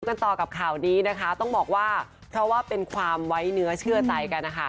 กันต่อกับข่าวนี้นะคะต้องบอกว่าเพราะว่าเป็นความไว้เนื้อเชื่อใจกันนะคะ